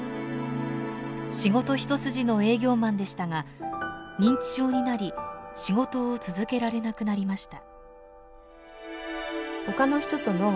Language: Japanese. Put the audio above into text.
仕事一筋の営業マンでしたが認知症になり仕事を続けられなくなりました。